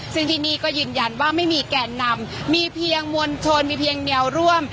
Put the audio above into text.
ซึ่งที่นี่ก็ยืนยันว่าไม่มีแกนนำมีเพียงมวลชนมีเพียงแนวร่วม